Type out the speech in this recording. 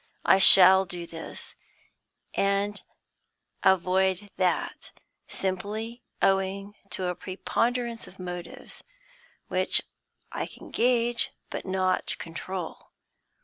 I shall do this, and avoid that, simply owing to a preponderance of motives, which I can gauge, but not control.